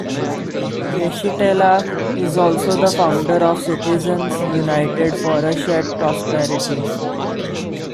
Yeshitela is also the founder of Citizens United for a Shared Prosperity.